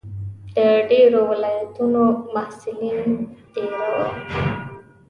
د ډېرو ولایتونو محصلین دېره وو.